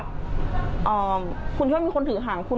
คุณคิดว่ามีคนถือห่างคุณ